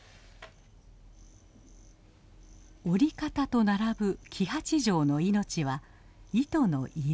織り方と並ぶ黄八丈の命は糸の色。